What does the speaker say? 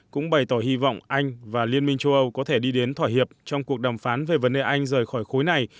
cũng bày tỏ hy vọng anh và liên minh châu âu có thể đi đến thỏa hiệp trong cuộc đàm phán về vấn đề anh rời khỏi khối này